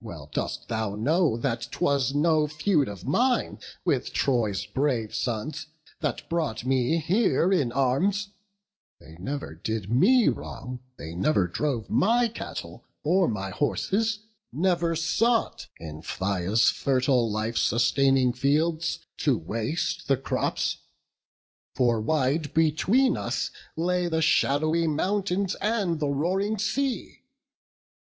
Well dost thou know that 't was no feud of mine With Troy's brave sons that brought me here in arms; They never did me wrong; they never drove My cattle, or my horses; never sought In Phthia's fertile, life sustaining fields To waste the crops; for wide between us lay The shadowy mountains and the roaring sea.